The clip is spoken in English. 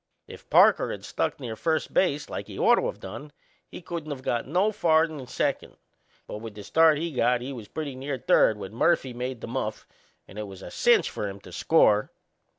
If Parker had stuck near first base, like he ought to of done, he couldn't of got no farther'n second; but with the start he got he was pretty near third when Murphy made the muff, and it was a cinch for him to score.